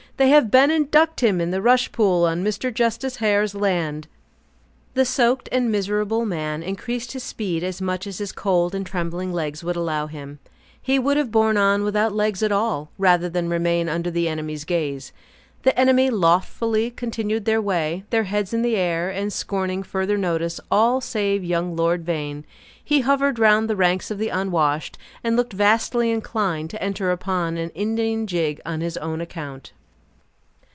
"They have been and ducked him in the rush pool on Mr. Justice Hare's land." The soaked and miserable man increased his speed as much as his cold and trembling legs would allow him; he would have borne on without legs at all, rather than remain under the enemy's gaze. The enemy loftily continued their way, their heads in the air, and scorning further notice, all, save young Lord Vane. He hovered round the ranks of the unwashed, and looked vastly inclined to enter upon an Indian jig, on his own account.